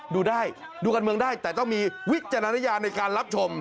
ดูได้ดูการเมืองได้แต่ต้องมีวิจารณญาณในการรับชม